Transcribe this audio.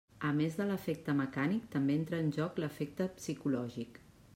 A més de l'efecte mecànic, també entra en joc l'efecte psicològic.